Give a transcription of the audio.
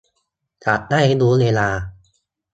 จะได้รู้เวลา